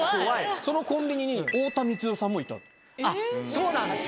そのコンビニに太田光代さんあっ、そうなんですよ。